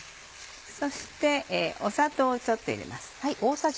そして砂糖をちょっと入れます。